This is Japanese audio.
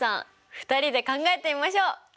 ２人で考えてみましょう！